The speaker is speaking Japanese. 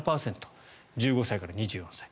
１５歳から２４歳。